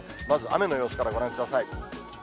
まず雨の様子からご覧ください。